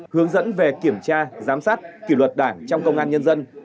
hướng dẫn về kiểm tra giám sát kỷ luật đảng trong công an nhân dân